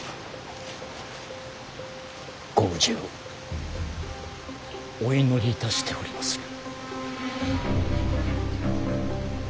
ご無事をお祈りいたしておりまする。